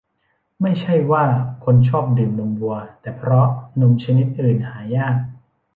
ไม่ใช่ว่าคนชอบดื่มนมวัว แต่เพราะนมชนิดอื่นหายาก